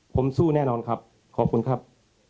ผมสู้แน่นอนครับขอบคุณครับ